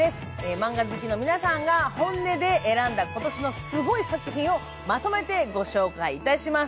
マンガ好きの皆さんが本音で選んだ今年のすごい作品をまとめてご紹介いたします。